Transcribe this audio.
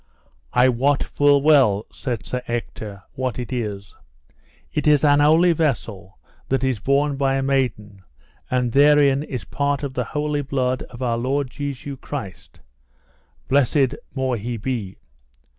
I wot full well, said Sir Ector, what it is; it is an holy vessel that is borne by a maiden, and therein is part of the holy blood of our Lord Jesu Christ, blessed mote he be.